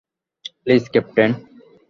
Please, captain.